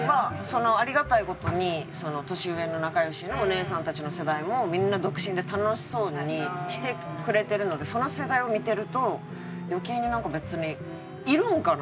ありがたい事に年上の仲良しのお姉さんたちの世代もみんな独身で楽しそうにしてくれてるのでその世代を見てると余計になんか別にいるんかな？